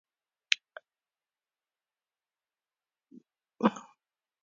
فلالوژي د یوناني ژبي کليمه ده.